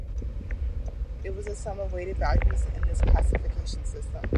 It was the sum of weighted values in this classification system.